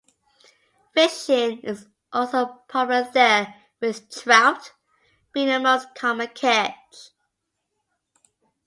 Fishing is also popular there with trout being the most common catch.